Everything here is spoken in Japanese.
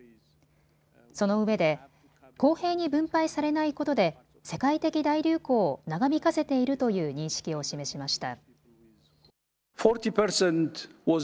そのうえで公平に分配されないことで世界的大流行を長引かせているという認識を示しました。